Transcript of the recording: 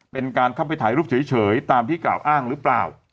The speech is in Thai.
เป็นการเข้าไปถ่ายรูปเฉยตามที่กล่าวอ้างหรือเปล่า